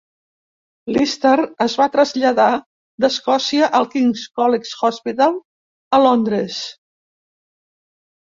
Lister es va traslladar d'Escòcia al King's College Hospital, a Londres.